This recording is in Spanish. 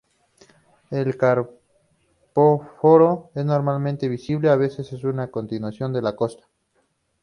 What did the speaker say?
El carpóforo es normalmente visible, a veces es una continuación de la costa.